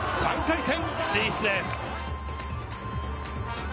３回戦進出です。